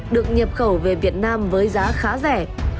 được nhập khẩu về việt nam với giá khá rẻ